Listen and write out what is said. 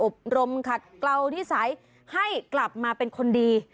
อบรมขัดเกลานิสัยให้กลับมาเป็นคนดี